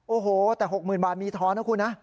โอ้โหแต่๖๐๐๐บาทมีทอนนะคุณนะ